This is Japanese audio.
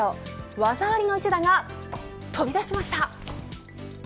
技ありの一打が飛び出しました。